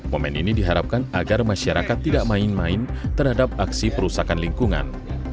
momen ini diharapkan agar masyarakat tidak main main terhadap aksi perusahaan lingkungan